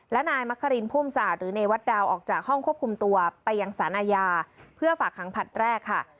และนายมะครินพุ่มศาสตร์หรือเนวัตดาวออกจากห้องควบคุมตัวไปยังสารอาญาเพื่อฝากขังผลัดแรกค่ะ